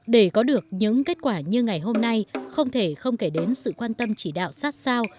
để có được những kết quả như ngày hôm nay không thể không kể đến sự quan tâm chỉ đạo sát sao